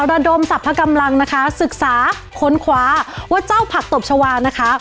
ระดมสรรพกำลังนะคะศึกษาค้นคว้าว่าเจ้าผักตบชาวานะคะ